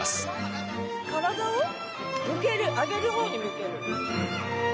体を上げる方に向ける。